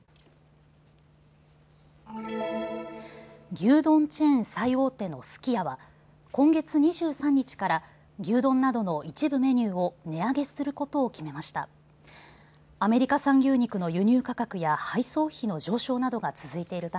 牛丼チェーン最大手のすき家は今月２３日から牛丼などの一部メニューを値上げすることを決めました。